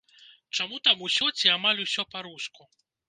Чаму там усё ці амаль усё па-руску?